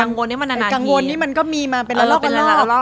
ไอ้กังวลเนี้ยมันนานนานทีไอ้กังวลเนี้ยมันก็มีมาเป็นละลอกละลอก